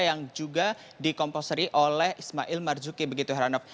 yang juga di komposeri oleh ismail marzuki begitu hernof